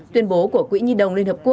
tuyên bố của quỹ nhi đồng liên hợp quốc